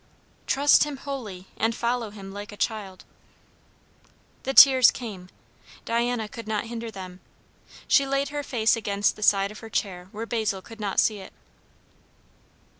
"Trust him wholly. And follow him like a child." The tears came, Diana could not hinder them; she laid her face against the side of her chair where Basil could not see it.